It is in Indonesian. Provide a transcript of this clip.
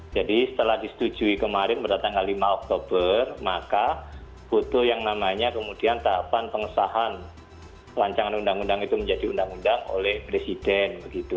jadi setelah disetujui kemarin pada tanggal lima oktober maka butuh yang namanya kemudian tahapan pengesahan rancangan undang undang itu menjadi undang undang oleh presiden